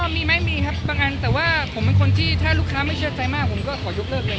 มีไหมมีครับบางอันแต่ว่าผมเป็นคนที่ถ้าลูกค้าไม่เชื่อใจมากผมก็ขอยกเลิกเลย